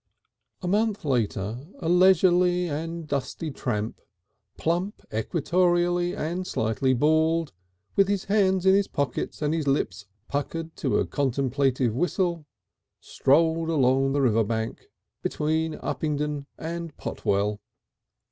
II A month later a leisurely and dusty tramp, plump equatorially and slightly bald, with his hands in his pockets and his lips puckered to a contemplative whistle, strolled along the river bank between Uppingdon and Potwell.